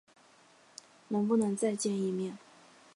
能不能再见一面？